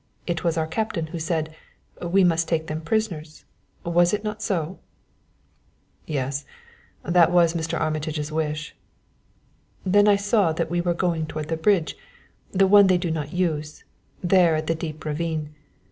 It was our captain who said, 'We must take them prisoners,' was it not so?" "Yes; that was Mr. Armitage's wish." "Then I saw that we were going toward the bridge, the one they do not use, there at the deep ravine.